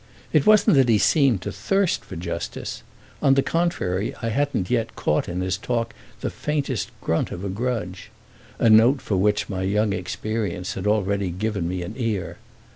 It wasn't that he seemed to thirst for justice; on the contrary I hadn't yet caught in his talk the faintest grunt of a grudge—a note for which my young experience had already given me an ear.